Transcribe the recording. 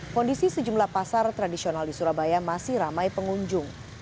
kondisi sejumlah pasar tradisional di surabaya masih ramai pengunjung